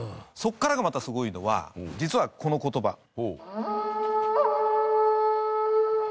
そこからがまたすごいのは実はこの言葉。